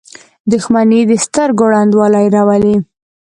• دښمني د سترګو ړندوالی راولي.